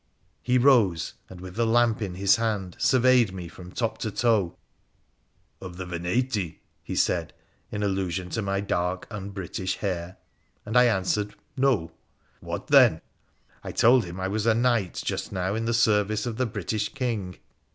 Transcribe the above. He rose, and, with the lamp in his hand, surveyed me from top to toe. ' Of the Veneti ?' he said, in allusion to my dark un British hair ; and I answered ' No.' ' What, then ?* I told him I was a knight just now in the service of the British King.